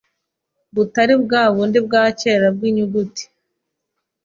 butari bwa bundi bwa kera bw’inyuguti